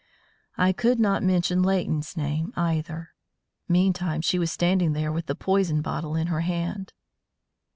I could not mention Leighton's name, either. Meantime she was standing there with the poison bottle in her hand.